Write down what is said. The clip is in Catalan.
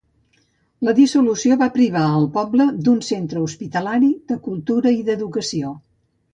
La dissolució va privar al poble d'un centre hospitalari, de cultura i d'educació.